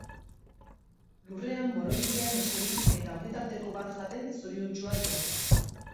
Lurrean borobilean eseri eta ogitarteko bat Jaten zoriontsua zen.